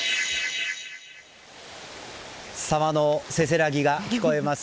沢のせせらぎが聞こえます。